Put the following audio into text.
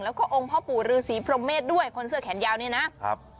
แล้วก็องค์พ่อปู่ฤษีพรหมเมษด้วยคนเสื้อแขนยาวเนี่ยนะครับ